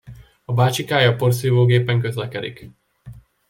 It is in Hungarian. A bácsikája porszívógépen közlekedik.